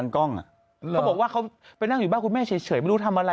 เขาบอกว่าเขาไปนั่งอยู่บ้านคุณแม่เฉยไม่รู้ทำอะไร